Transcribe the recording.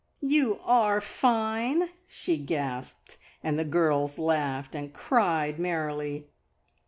"You are fine!" she gasped, and the girls laughed and cried merrily.